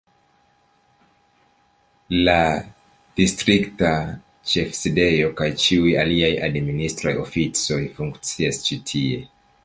La distrikta ĉefsidejo kaj ĉiuj aliaj administraj oficoj funkcias ĉi tie.